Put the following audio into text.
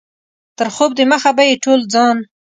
تر خوب دمخه به یې ټول ځان.